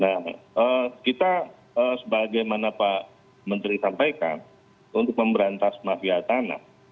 nah kita sebagaimana pak menteri sampaikan untuk memberantas mafia tanah